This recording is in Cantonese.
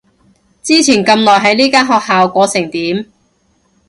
之前咁耐喺呢間學校過成點？